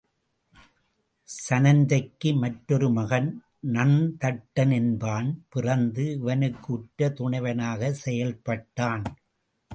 சுநந்தைக்கு மற்றொரு மகன் நந்தட்டன் என்பான் பிறந்து இவனுக்கு உற்ற துணைவனாகச் செயல்பட்டான்.